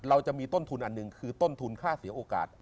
เราจะมีต้นทุนอันหนึ่งคือต้นทุนค่าเสียโอกาส